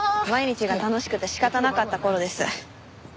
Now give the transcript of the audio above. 毎日が楽しくて仕方なかった頃です。